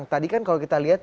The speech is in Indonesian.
tadi kan kalau kita lihat